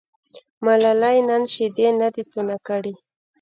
ملالۍ نن شیدې نه دي تونه کړي.